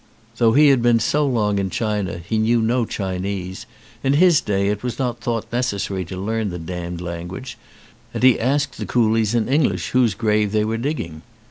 Though he had been so long in China he knew no Chinese, in his day it was not thought necessary to learn the damned language, and he asked the coolies in English whose grave they were digging.